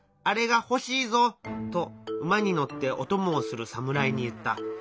あれがほしいぞ」と馬に乗ってお供をする侍に言った。